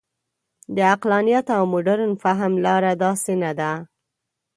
د عقلانیت او مډرن فهم لاره داسې نه ده.